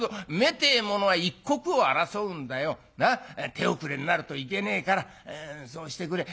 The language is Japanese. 手遅れになるといけねえからそうしてくれ」。